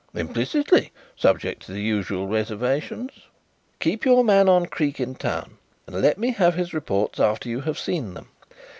"Implicitly subject to the usual reservations." "Keep your man on Creake in town and let me have his reports after you have seen them.